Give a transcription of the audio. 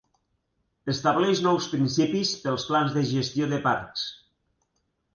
Estableix nous principis pels plans de gestió de parcs.